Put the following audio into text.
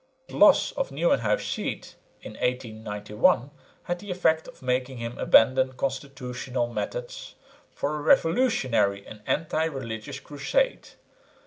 The loss of Nieuwenhuis' seat in 1891 had the effect of making him abandon constitutional methods for a revolutionary and anti religious crusade.